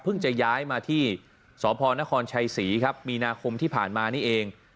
จะย้ายมาที่สพนครชัยศรีครับมีนาคมที่ผ่านมานี่เอง